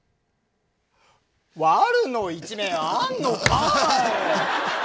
ワルの一面あんのかい。